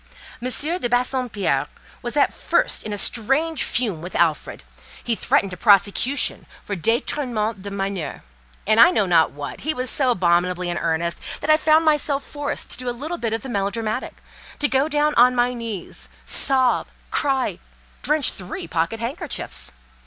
M. de Bassompierre was at first in a strange fume with Alfred; he threatened a prosecution for 'détournement de mineur,' and I know not what; he was so abominably in earnest, that I found myself forced to do a little bit of the melodramatic—go down on my knees, sob, cry, drench three pocket handkerchiefs.